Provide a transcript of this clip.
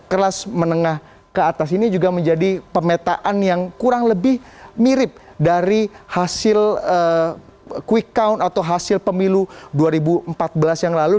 kelas menengah ke atas ini juga menjadi pemetaan yang kurang lebih mirip dari hasil quick count atau hasil pemilu dua ribu empat belas yang lalu